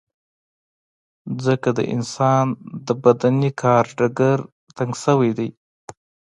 ځکه د انسان د بدني کار ډګر تنګ شوی دی.